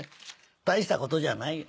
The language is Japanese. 大したことじゃないよ。